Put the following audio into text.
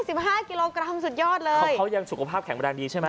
สิบห้ากิโลกรัมสุดยอดเลยเพราะเขายังสุขภาพแข็งแรงดีใช่ไหม